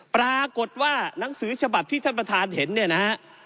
ปรากฏว่าหนังสือฉบับที่ท่านประธานเห็นเนี่ยนะฮะ